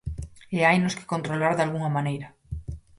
E hainos que controlar dalgunha maneira.